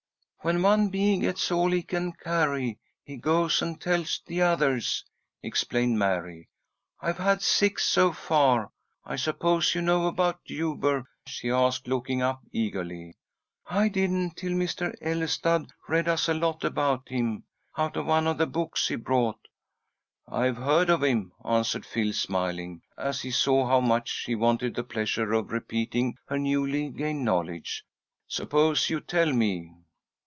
"When one bee gets all he can carry, he goes and tells the others," explained Mary. "I've had six, so far. I suppose you know about Huber," she asked, looking up eagerly. "I didn't till Mr. Ellestad read us a lot about him out of one of the books he brought." "I've heard of him," answered Phil, smiling, as he saw how much she wanted the pleasure of repeating her newly gained knowledge. "Suppose you tell me."